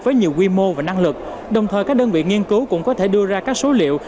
với nhiều quy mô và năng lực đồng thời các đơn vị nghiên cứu cũng có thể đưa ra các số liệu